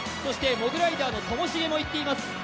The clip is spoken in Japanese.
モグライダーのともしげもいっています。